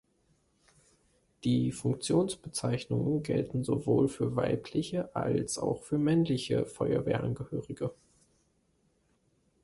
Die Funktionsbezeichnungen gelten sowohl für weibliche als auch für männliche Feuerwehrangehörige.